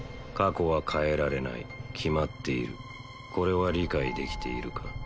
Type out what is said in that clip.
過去は変えられない決まっているこれは理解できているか？